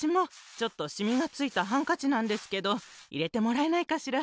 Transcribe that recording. ちょっとしみがついたハンカチなんですけどいれてもらえないかしら？